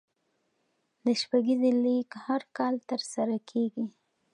د شپږیزې لیګ هر کال ترسره کیږي.